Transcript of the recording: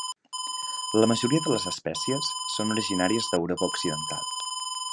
La majoria de les espècies són originàries d'Europa occidental.